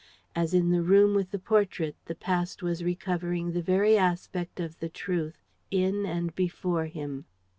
As in the room with the portrait, the past was recovering the very aspect of the truth in and before him.